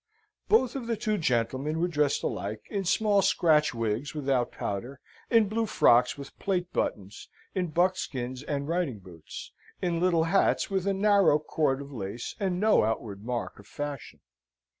Both of the two gentlemen were dressed alike, in small scratch wigs without powder, in blue frocks with plate buttons, in buckskins and riding boots, in little hats with a narrow cord of lace, and no outward mark of fashion.